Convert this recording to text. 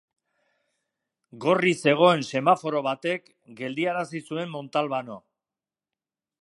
Gorri zegoen semaforo batek geldiarazi zuen Montalbano.